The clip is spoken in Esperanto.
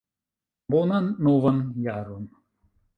Bonan novan jaron!